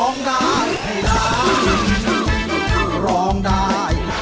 คือร้องได้ให้ร้อง